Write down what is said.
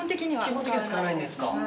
基本的には使わないんですか。